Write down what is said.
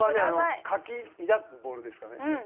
あの「かき抱くボール」ですかね